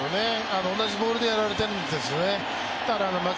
同じボールでやられてるんですよね。